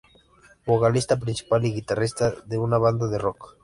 Vocalista principal y guitarrista de una banda de rock.